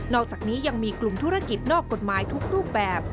อกจากนี้ยังมีกลุ่มธุรกิจนอกกฎหมายทุกรูปแบบ